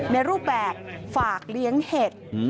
รูปแบบฝากเลี้ยงเห็ด